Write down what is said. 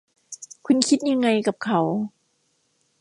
คุณคิดยังไงกับเขา